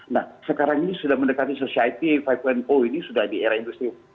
nah sekarang ini sudah mendekati society lima ini sudah di era industri